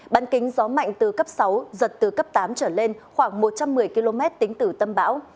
bàn kính gió mạnh từ cấp sáu giật từ cấp tám trở lên khoảng một trăm một mươi km tính từ tâm bão